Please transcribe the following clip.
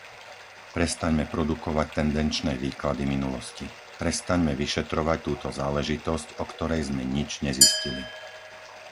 Prestaňme produkovať tendenčné výklady minulosti; prestaňme vyšetrovať túto záležitosť, o ktorej sme nič nezistili.